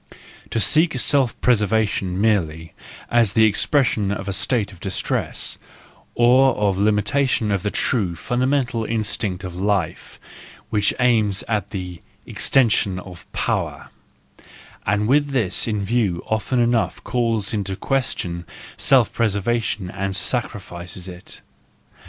—To seek self preservation merely, is the expression of a state of distress, or of limitation of the true, fundamental instinct of life, which aims at the extension of power ,, and with this in view often enough calls in question self preservation and sacrifices it.